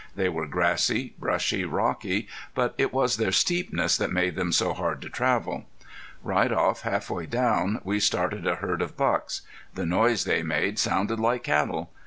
They were grassy, brushy, rocky, but it was their steepness that made them so hard to travel. Right off, half way down, we started a herd of bucks. The noise they made sounded like cattle.